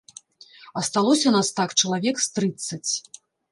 Асталося нас так чалавек з трыццаць.